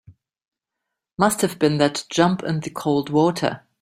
Must have been that jump in the cold water.